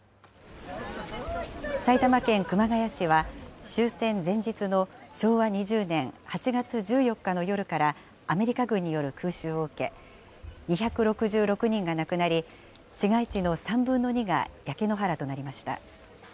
埼玉県熊谷市は、終戦前日の昭和２０年８月１４日の夜からアメリカ軍による空襲を受け、２６６人が亡くなり、市街地の３分の２が焼け野原となりました。